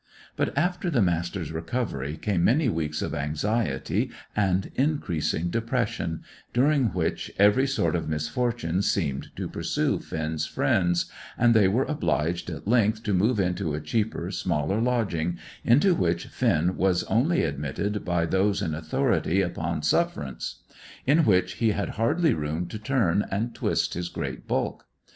But after the Master's recovery came many weeks of anxiety and increasing depression, during which every sort of misfortune seemed to pursue Finn's friends, and they were obliged at length to move into a cheaper, smaller lodging, into which Finn was only admitted by those in authority upon sufferance; in which he had hardly room to turn and twist his great bulk.